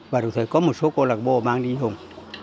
và đồng thời có một số cô lạc bộ mang đi dùng